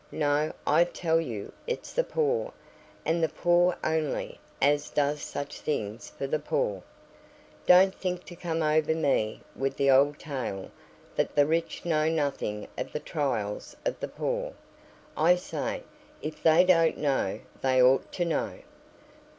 No, I tell you, it's the poor, and the poor only, as does such things for the poor. Don't think to come over me with th' old tale, that the rich know nothing of the trials of the poor. I say, if they don't know, they ought to know.